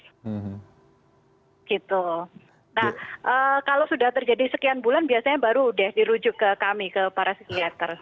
nah kalau sudah terjadi sekian bulan biasanya baru deh dirujuk ke kami ke para psikiater